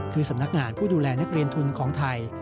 คือสำนักงานผู้ดูแลนักเรียนทุนของไทย